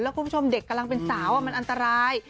คุณผู้ชมเด็กกำลังเป็นสาวมันอันตราย